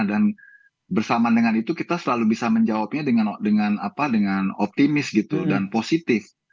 dan bersama dengan itu kita selalu bisa menjawabnya dengan optimis gitu dan positif